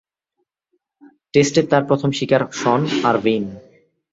টেস্টে তার প্রথম শিকার শন আরভিন।